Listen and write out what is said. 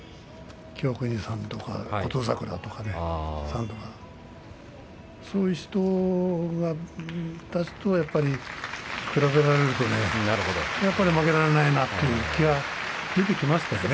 清國さんとか琴櫻さんとかねそういう人たちと比べられるとねやっぱり負けられないなという気持ちが出てきましたよね。